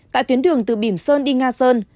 tại tuyến đường từ bìm sơn đi nga sơn